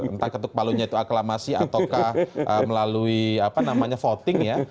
entah ketuk palunya itu aklamasi ataukah melalui apa namanya voting ya